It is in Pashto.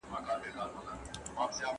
خپله سیمه امن وساتئ.